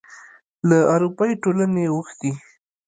له اروپايي ټولنې غوښتي